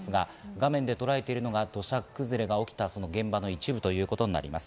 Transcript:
画面で捉えてるのは土砂崩れが落ちた現場の一部ということです。